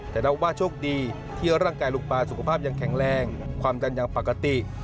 แต่นับว่าโชคดีที่ร่างกายลุงปลาสุขภาพยังแข็งแรงความดันยังปกติ